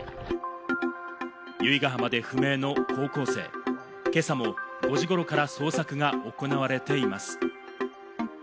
由比ガ浜で不明の高校生、今朝も５時ごろから捜索が行われています。